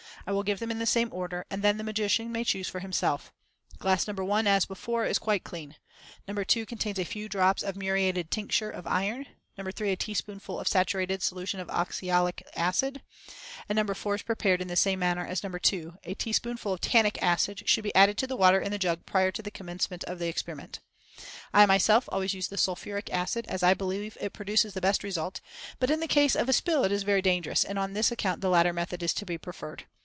I will give them in the same order, and then the magician may choose for himself. Glass No. 1, as before, is quite clean; No. 2 contains a few drops of muriated tincture of iron; No. 3, a teaspoonful of a saturated solution of oxalic acid; and No. 4 is prepared in the same manner as No. 2. A teaspoonful of tannic acid should be added to the water in the jug prior to the commencement of the experiment. I myself always use the sulphuric acid, as I believe it produces the best result, but in the case of a spill it is very dangerous, and on this account the latter method is to be preferred.